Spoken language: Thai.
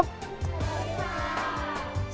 สวัสดีครับ